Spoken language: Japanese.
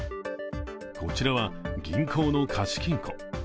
こちらは銀行の貸金庫。